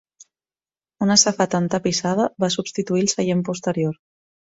Una safata entapissada va substituir el seient posterior.